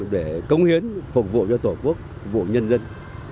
để công hiến phục vụ cho tổ quốc phục vụ nhân dân